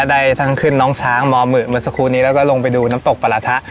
ได้ทั้งขึ้นน้องช้างมหมื่นเมื่อสักครู่นี้แล้วก็ลงไปดูน้ำตกปลาทะ